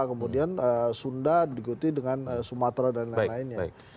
kemudian sunda diikuti dengan sumatera dan lain lainnya